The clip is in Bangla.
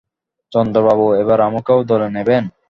চন্দ্রবাবু, এবারে আমাকেও দলে নেবেন।